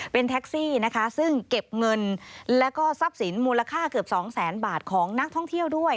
เป็นแท็กซี่ซึ่งเก็บเงินและซับสินมูลค่าเกือบ๒๐๐๐๐๐บาทของนักท่องเที่ยวด้วย